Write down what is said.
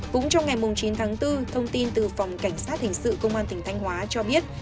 cũng trong ngày chín tháng bốn thông tin từ phòng cảnh sát hình sự công an tỉnh thanh hóa cho biết